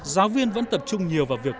giáo viên vẫn tập trung nhiều vào việc